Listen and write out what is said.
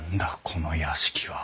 この屋敷は。